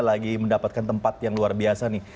lagi mendapatkan tempat yang luar biasa nih